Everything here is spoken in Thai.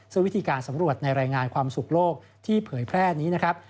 ซึ่งวิธีการสำรวจในรายงานความสุขโลกที่เผยแพร่นี้นะครับ